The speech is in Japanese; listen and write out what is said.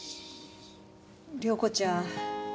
遼子ちゃん